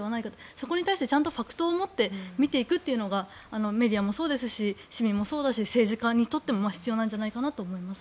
そこに対してちゃんとファクトを持って見ていくのがメディアもそうですし市民もそうだし政治家にとっても必要なんじゃないかなと思います。